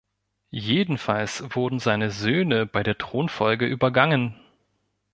Jedenfalls wurden seine Söhne bei der Thronfolge übergangen.